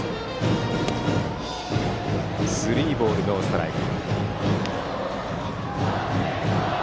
スリーボール、ノーストライク。